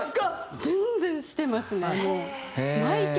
全然してますねもう。